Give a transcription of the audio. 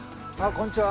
こんにちは。